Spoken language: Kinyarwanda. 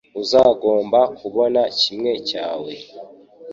Uzagomba kubona kimwe cyawe